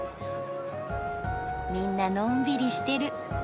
みんなのんびりしてる。